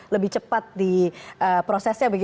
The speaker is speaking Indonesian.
lebih cepat di prosesnya